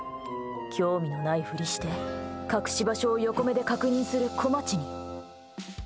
興味がないふりして隠し場所を横目で確認するこまちに。